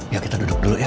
yuk kita duduk dulu ya